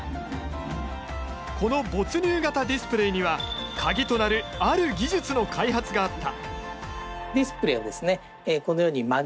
この没入型ディスプレーには鍵となるある技術の開発があった。